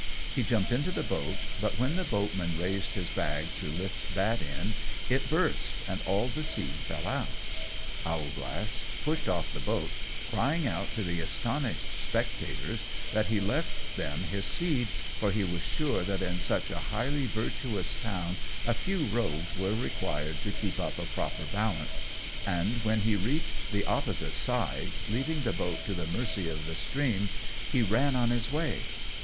He jumped into the boat, but when the boatman raised his bag to lift that in, it burst and all the seed fell out. Owlglass pushed off the boat, crying out to the astonished spectators that he left them his seed, for he was sure that in such a highly virtuous town a few rogues were required to keep up a proper balance; and when he reached the opposite side, leaving the boat to the mercy of the stream, he ran on his way.